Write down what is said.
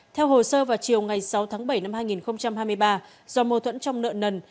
theo hồ sơ vào chiều ngày sáu tháng bảy năm hai nghìn hai mươi ba do mâu thuẫn trong nợ nần